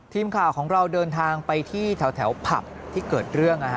ทีมข่าวของเราเดินทางไปที่แถวผับที่เกิดเรื่อง